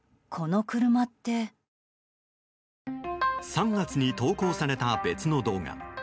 ３月に投稿された別の動画。